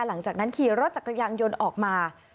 หลังจากนั้นขี่รถจักรยานยนต์ออกมา